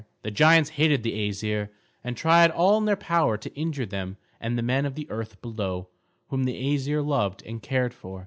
The giants hated the Æsir, and tried all in their power to injure them and the men of the earth below, whom the Æsir loved and cared for.